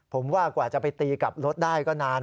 ผมว่ากว่าจะไปตีกลับรถได้ก็นาน